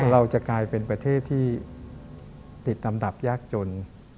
เราจะกลายเป็นประเทศที่ติดลำดับยากจน